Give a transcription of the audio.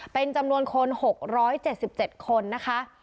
เป็นจำนวนคน๖๗๗คนนะคะ